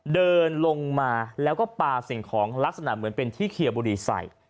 เดินลงมาแล้วก็ปลาสิ่งของลักษณะเหมือนเป็นที่เคลียร์บุรีใส่